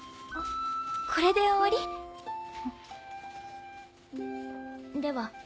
これで終わり？では。